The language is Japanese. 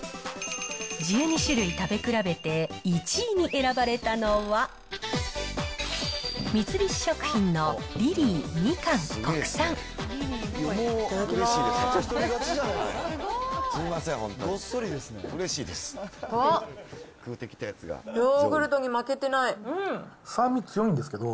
１２種類食べ比べて、１位に選ばれたのは、いただきます。